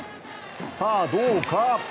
さあ、どうか？